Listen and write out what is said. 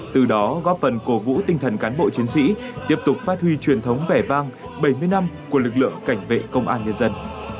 từ đó góp phần cổ vũ tinh thần cán bộ chiến sĩ tiếp tục phát huy truyền thống vẻ vang bảy mươi năm của lực lượng cảnh vệ công an nhân dân